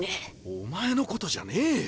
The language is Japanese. お前のことじゃねえよ。